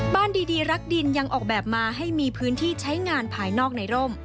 ดีรักดินยังออกแบบมาให้มีพื้นที่ใช้งานภายนอกในร่ม